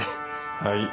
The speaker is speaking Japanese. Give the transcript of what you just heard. はい。